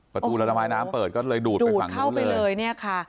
ประตูระบายน้ำเปิดก็เลยดูดไปฝั่งนี้เข้าไปเลยเนี่ยค่ะ